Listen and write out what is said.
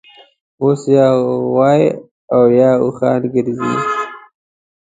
اوس یا غوایي اویا اوښان ګرځي